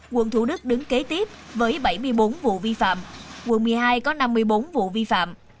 quận thủ đức đứng kế tiếp với bảy mươi bốn vụ vi phạm quận một mươi hai có năm mươi bốn vụ vi phạm